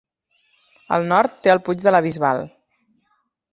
Al nord té el puig de la Bisbal.